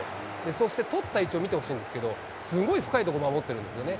そして取った位置を見てほしいんですけど、すごい深いとこ守ってるんですよね。